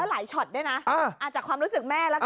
หลายช็อตด้วยนะอาจจะความรู้สึกแม่แล้วก็